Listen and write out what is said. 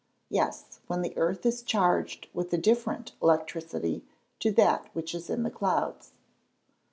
_ Yes; when the earth is charged with a different electricity to that which is in the clouds.